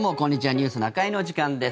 「ニュースな会」の時間です。